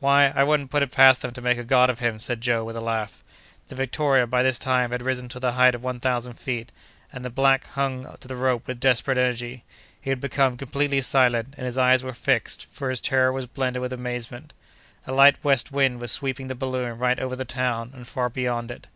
"Why, I wouldn't put it past them to make a god of him!" said Joe, with a laugh. The Victoria, by this time, had risen to the height of one thousand feet, and the black hung to the rope with desperate energy. He had become completely silent, and his eyes were fixed, for his terror was blended with amazement. A light west wind was sweeping the balloon right over the town, and far beyond it.